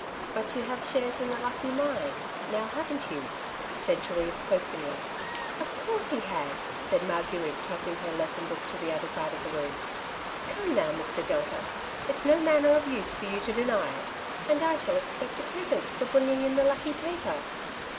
^' But you have shares in the lucky mine, now haven^t you ?^^ said Therese coaxingly. ^' Of course he has,^' said Marguerite, tossing her lesson book to the other side of the room. '' Come, now, Mr. Delta, it's no manner of use for you to deny it, and I shall expect a present for bringing in the lucky paper